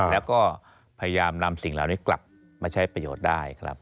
แล้วก็พยายามนำสิ่งเหล่านี้กลับมาใช้ประโยชน์ได้ครับ